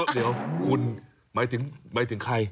เดี๋ยวคุณหมายถึงใคร